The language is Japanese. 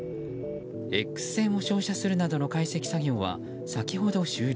Ｘ線を照射するなどの解析作業は先ほど終了。